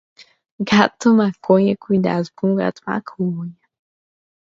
Gato maconha cuidado com o gato maconha